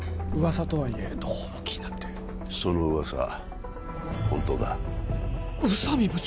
噂とはいえどうも気になってその噂本当だ宇佐美部長！